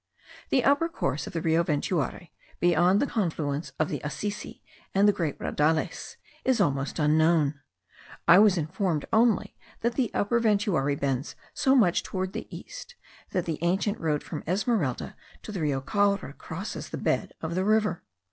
The upper course of the Rio Ventuari, beyond the confluence of the Asisi, and the Great Raudales, is almost unknown. I was informed only that the Upper Ventuari bends so much towards the east that the ancient road from Esmeralda to the Rio Caura crosses the bed of the river.